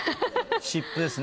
湿布ですね。